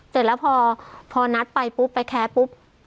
เสร็จแล้วพอนัดไปปุ๊บไปแคปปุ๊บ